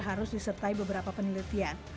harus disertai beberapa penelitian